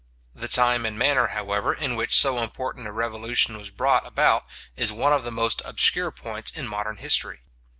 The time and manner, however, in which so important a revolution was brought about, is one of the most obscure points in modern history.